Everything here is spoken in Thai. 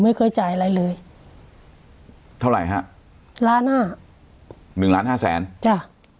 ไม่เคยจ่ายอะไรเลยเท่าไหร่ฮะล้านห้าหนึ่งล้านห้าแสนจ้ะ